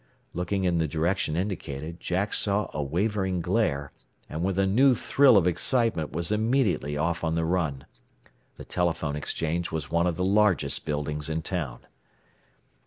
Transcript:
Looking in the direction indicated, Jack saw a wavering glare, and with a new thrill of excitement was immediately off on the run. The telephone exchange was one of the largest buildings in town.